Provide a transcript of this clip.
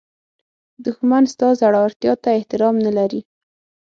دښمن ستا زړورتیا ته احترام نه لري